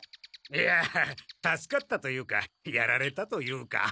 いや助かったというかやられたというか。